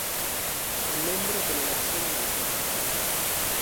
È membro delle Nazioni Unite.